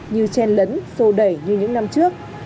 như chen lấn sâu đẩy như những năm trước